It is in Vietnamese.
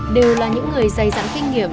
đều là những người dày dãn kinh nghiệm